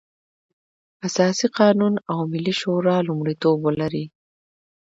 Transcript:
اساسي قانون او ملي شورا لومړيتوب ولري.